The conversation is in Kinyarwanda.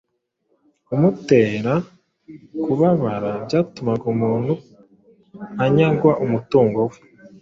Kumutera kubabara byatumaga umuntu anyagwa umutingo we,